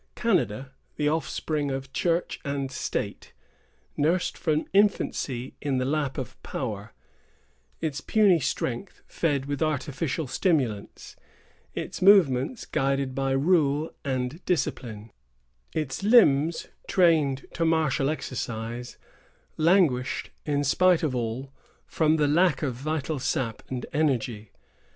Canada, the offspring of Church and State, nursed from infancy in the lap of power, its puny strength fed with artificial stimulants, its movements guided by rule and discipline, its limbs trained to martial exercise, languished, in spite of all, from the lack of vital sap and energy.